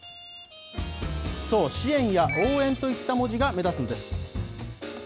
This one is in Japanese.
そう、支援や応援といった文字が目立つんです。